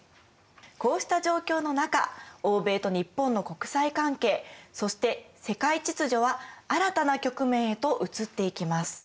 こうした状況の中欧米と日本の国際関係そして世界秩序は新たな局面へと移っていきます。